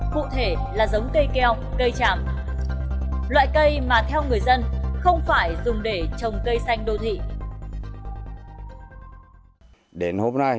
cụ thể là giống cây keo cây tràm loại cây mà theo người dân không phải dùng để trồng cây xanh đô thị